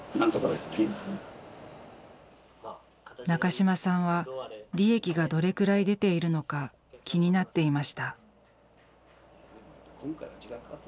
中島さんは利益がどれくらい出ているのか気になっていました。